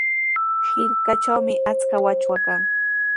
Hirkatrawmi achka wachwa kan.